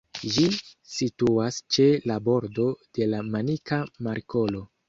Ĝi situas ĉe la bordo de la Manika Markolo.